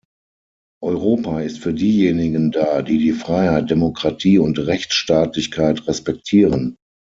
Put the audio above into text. Europa ist für diejenigen da, die Freiheit, Demokratie und Rechtsstaatlichkeit respektieren.